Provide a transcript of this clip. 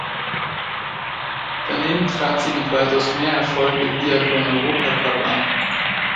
Daneben trat sie mit weitaus mehr Erfolg im Biathlon-Europacup an.